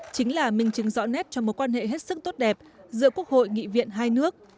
chính là minh chứng rõ nét cho mối quan hệ hết sức tốt đẹp giữa quốc hội nghị viện hai nước